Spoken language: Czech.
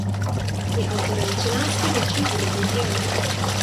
Je autorem třinácti větších hudebních děl.